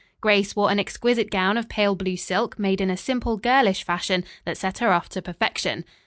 Grace wore an exquisite gown of pale blue silk made in a simple, girlish fashion that set her off to perfection.